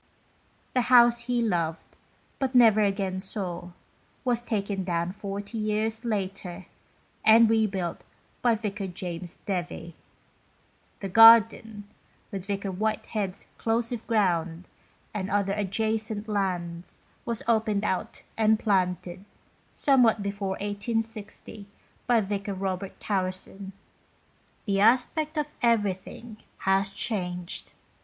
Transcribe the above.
The house he loved, but never again saw, was taken down 40 years later, and re built by Vicar James Devie. The gardeil, with Vicar Whitehead's " close of ground " and other adjacent lands, was opened out and planted, somewhat before 1860, by Vicar Robert Towerson. The aspect of everything Ihas changed.